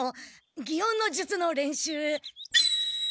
擬音の術の練習。